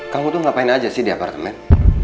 kamu tuh ngapain aja sih di apartemen